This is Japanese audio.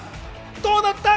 どうなった？